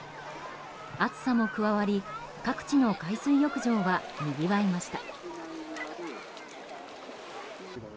暑さも加わり各地の海水浴場はにぎわいました。